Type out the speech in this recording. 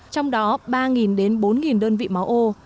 trong đó ba đến bốn đơn vị máu ô